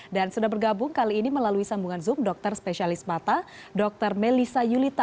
dan sudah bergabung kali ini melalui sambungan zoom dokter spesialis mata dokter melisa yulita